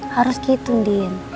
harus gitu ndi